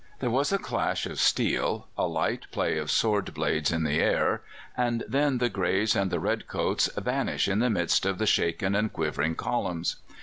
There was a clash of steel, a light play of sword blades in the air, and then the Greys and the red coats vanish in the midst of the shaken and quivering columns.